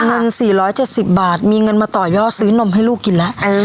เงิน๔๗๐บาทมีเงินมาต่อยอดซื้อนมให้ลูกกินแล้ว